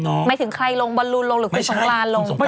มายถึงใครลงบอนรุนลงหรือสงสาร